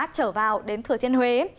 trở vào đến thừa thiên huế